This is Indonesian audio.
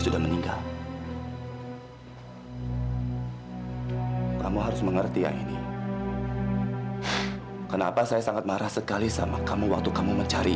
sampai jumpa di video selanjutnya